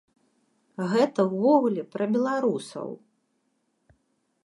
Гэта ўвогуле пра беларусаў.